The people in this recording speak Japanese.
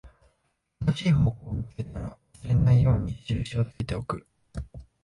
正しい方向を見つけたら、忘れないように印をつけておく